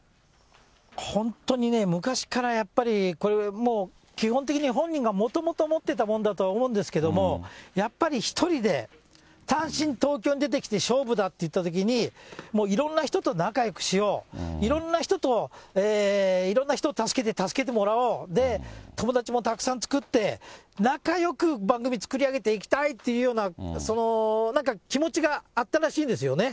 本当にね、昔からやっぱりこれはもう、基本的には本人がもともと持っていたものだとは思うんですけれども、やっぱり１人で、単身東京に出てきて、勝負だっていったときに、もういろんな人と仲よくしよう、いろんな人と、いろんな人を助けて、助けてもらおう、で、友達もたくさん作って、仲よく番組作り上げていきたいっていうような、そのなんか気持ちがあったらしいんですよね。